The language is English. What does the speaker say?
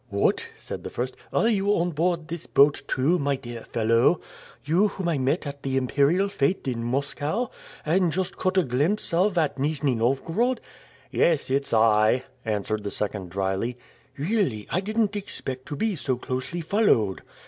"What," said the first, "are you on board this boat, too, my dear fellow; you whom I met at the imperial fête in Moscow, and just caught a glimpse of at Nijni Novgorod?" "Yes, it's I," answered the second drily. "Really, I didn't expect to be so closely followed."